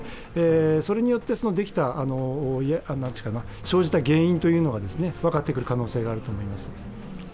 それによってできた生じた原因が分かってくる可能性があると思います。